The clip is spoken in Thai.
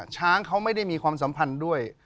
ช้างเขาไม่ได้มีความสัมพันธ์ด้วย